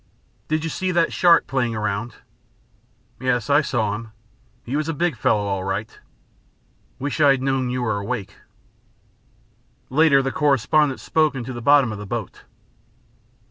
"Did you see that shark playing around?" "Yes, I saw him. He was a big fellow, all right." "Wish I had known you were awake." Later the correspondent spoke into the bottom of the boat.